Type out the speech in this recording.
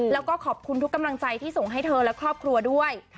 แล้วก็ขอบคุณทุกกำลังใจที่ส่งให้เธอและครอบครัวด้วย